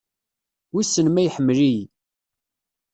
Wissen ma iḥemmel-iyi.